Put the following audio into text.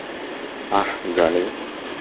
আহ, Johnny?